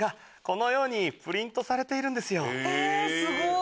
えすごい！